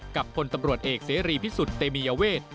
พลตำรวจเอกเสรีพิสุทธิ์เตมียเวท